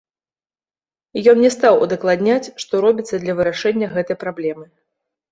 Ён не стаў удакладняць, што робіцца для вырашэння гэтай праблемы.